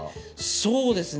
そうですね